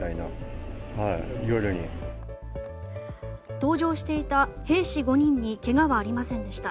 搭乗していた兵士５人にけがはありませんでした。